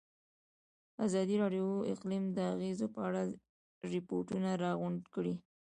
ازادي راډیو د اقلیم د اغېزو په اړه ریپوټونه راغونډ کړي.